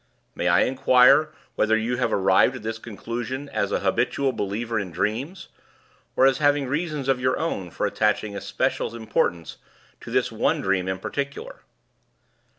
May I inquire whether you have arrived at this conclusion as an habitual believer in dreams, or as having reasons of your own for attaching especial importance to this one dream in particular?"